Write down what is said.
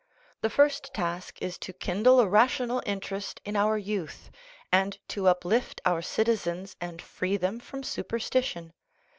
The first task is to kindle a rational interest in our youth, and to uplift our citizens and free them from superstition.